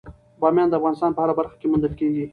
بامیان د افغانستان په هره برخه کې موندل کېږي.